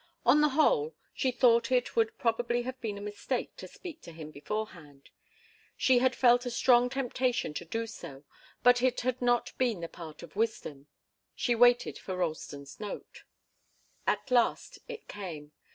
On the whole, she thought, it would probably have been a mistake to speak to him beforehand. She had felt a strong temptation to do so, but it had not been the part of wisdom. She waited for Ralston's note. At last it came.